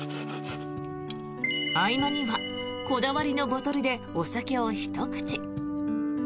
合間には、こだわりのボトルでお酒をひと口。